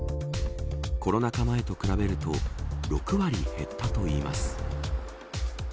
コロナ禍前と比べると６割減ったといいます。